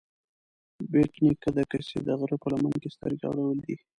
بېټ نيکه د کسې د غره په لمن کې سترګې غړولې دي